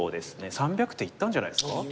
３００手いったんじゃないですか。